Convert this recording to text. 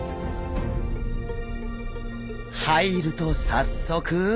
入ると早速。